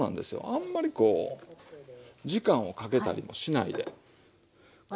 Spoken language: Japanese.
あんまりこう時間をかけたりもしないでこのようにして。